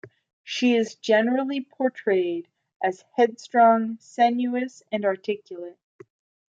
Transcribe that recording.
She is generally portrayed as headstrong, sensuous, and articulate.